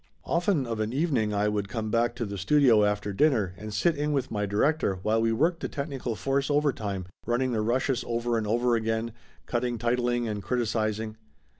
Often of a evening I would come back to the studio after dinner and sit in with my director while we worked the technical force over time, running the rushes over and over, cutting titling and criticizing.